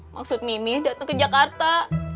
maksud mimi datang ke jakarta